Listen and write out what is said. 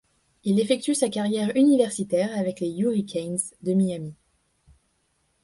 Il effectue sa carrière universitaire avec les Hurricanes de Miami.